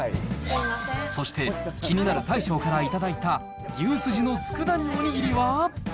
そして、気になる大将から頂いた牛すじのつくだ煮おにぎりは？